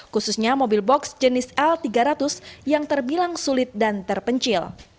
khususnya mobil box jenis l tiga ratus yang terbilang sulit dan terpencil